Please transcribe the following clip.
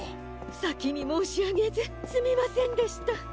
さきにもうしあげずすみませんでした。